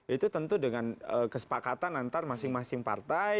itu tentu dengan kesepakatan antar masing masing partai